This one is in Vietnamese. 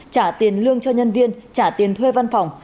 trả tiền lương cho nhân viên trả tiền thuê văn phòng